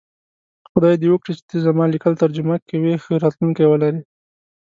خدای دی وکړی چی ته زما لیکل ترجمه کوی ښه راتلونکی ولری